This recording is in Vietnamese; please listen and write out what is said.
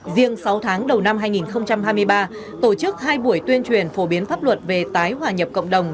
riêng sáu tháng đầu năm hai nghìn hai mươi ba tổ chức hai buổi tuyên truyền phổ biến pháp luật về tái hòa nhập cộng đồng